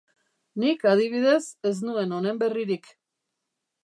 Nik, adibidez, ez nuen honen berririk.